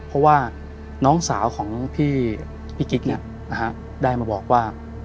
เพราะว่าน้องสาวของพี่กิ๊กได้มาบอกว่า